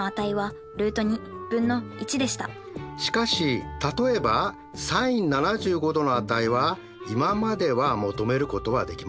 しかし例えばｓｉｎ７５°の値は今までは求めることはできませんでしたよね。